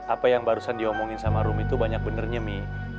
apa yang barusan diomongin sama rumi tuh banyak benernya mi